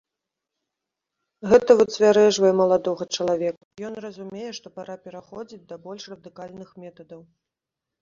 Гэта выцвярэжвае маладога чалавека, ён разумее, што пара пераходзіць да больш радыкальных метадаў.